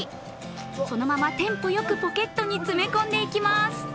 そのままテンポよくポケットに詰め込んでいきます。